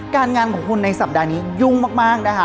งานของคุณในสัปดาห์นี้ยุ่งมากนะคะ